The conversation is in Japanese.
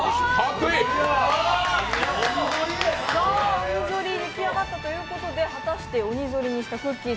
鬼ぞり、でき上がったということで、鬼ぞりにしたくっきー！